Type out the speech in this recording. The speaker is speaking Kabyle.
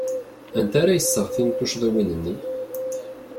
Anta ara iseɣtin tuccḍiwin-nni?